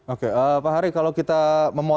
oke pak hari kalau kita